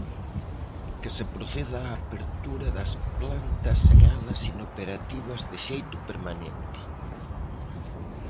Que se proceda á apertura das plantas e alas inoperativas de xeito permanente.